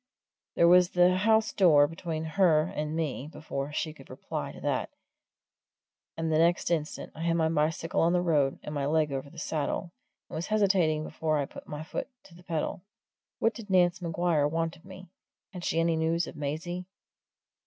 There was the house door between her and me before she could reply to that, and the next instant I had my bicycle on the road and my leg over the saddle, and was hesitating before I put my foot to the pedal. What did Nance Maguire want of me? Had she any news of Maisie?